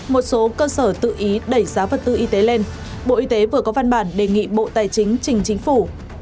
một số cơ sở tự ý đẩy giá vật tư y tế lên bộ y tế vừa có văn bản đề nghị bộ tài chính trình chính phủ